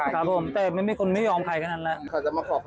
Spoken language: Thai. ครับแต่มันไม่ยอมใครแค่แน่นแล้ว